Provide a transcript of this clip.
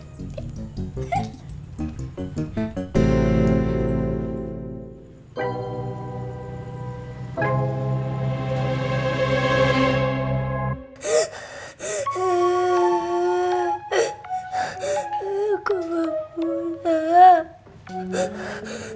gua mau pulang